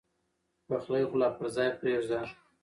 پخلی خو لا پر ځای پرېږده.